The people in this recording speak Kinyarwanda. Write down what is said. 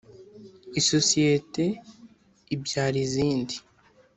sosiyete ibyara izindi.